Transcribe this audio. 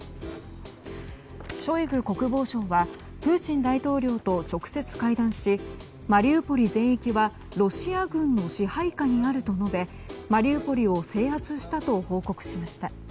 ショイグ国防相はプーチン大統領と直接会談し、マリウポリ全域はロシア軍の支配下にあると述べマリウポリを制圧したと報告しました。